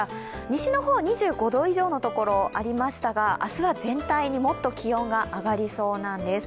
西の方、２５度以上の所ありましたが明日は全体にもっと気温が上がりそうなんです。